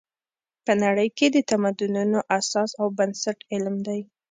په نړۍ کې د تمدنونو اساس او بنسټ علم دی.